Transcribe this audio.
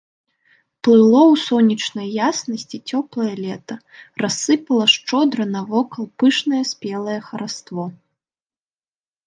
Плыло ў сонечнай яснасці цёплае лета, рассыпала шчодра навокал пышнае спелае хараство.